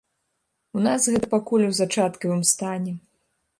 У нас гэта пакуль у зачаткавым стане.